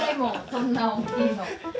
そんな大きいの。